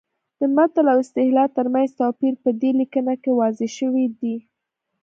د متل او اصطلاح ترمنځ توپیر په دې لیکنه کې واضح شوی دی